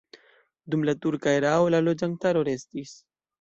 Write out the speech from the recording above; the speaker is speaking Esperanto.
Dum la turka erao la loĝantaro restis.